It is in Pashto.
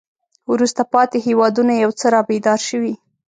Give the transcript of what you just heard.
وروسته پاتې هېوادونه یو څه را بیدار شوي.